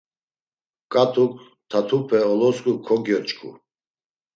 Ǩat̆uk tatupe olosǩu kogyoç̌ǩu.